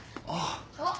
あっ！